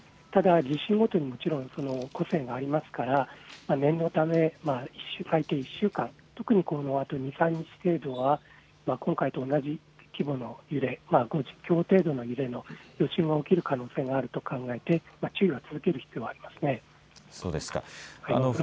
ただ地震ごとにもちろん個性がありますから念のため最低一週間特にこのあと２、３日程度は今回と同じ規模の揺れきょう程度の揺れは起きる可能性があると考えて注意を続ける必要がありますね。